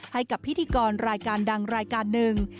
ให้กับพิธีกรรายการดังรายการหนึ่ง